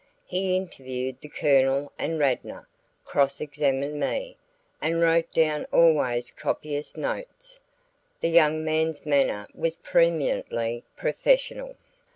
He interviewed the Colonel and Radnor, cross examined me, and wrote down always copious notes. The young man's manner was preëminently professional.